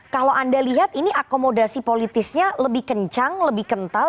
kalau anda lihat ini akomodasi politisnya lebih kencang lebih kental